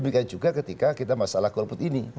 tapi kan juga ketika kita masalah kelompok ini